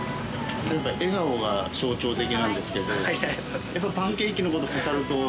笑顔が象徴的なんですけど、パンケーキのことを語ると。